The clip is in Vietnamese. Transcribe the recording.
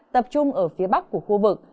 tập trung ở phía bắc của khu vực